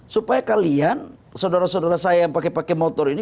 supaya kalian saudara saudara saya yang pakai pakai motor ini